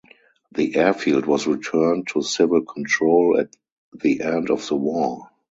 The airfield was returned to civil control at the end of the war.